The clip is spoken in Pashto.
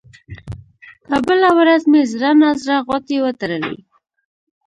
په بله ورځ مې زړه نا زړه غوټې وتړلې.